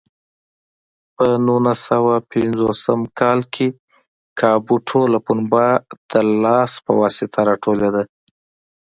په نولس سوه پنځوس کال کې کابو ټوله پنبه د لاس په واسطه راټولېده.